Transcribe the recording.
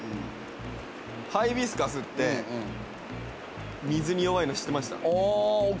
ハイビスカスって、水に弱いの知ってました？